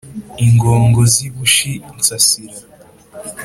ingongo z’i bushi nsasira